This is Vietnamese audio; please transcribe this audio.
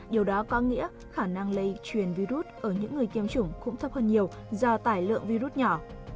điều đó có nghĩa khả năng lây truyền virus ở những người tiêm chủng cũng thấp hơn nhiều do tải lượng virus nhỏ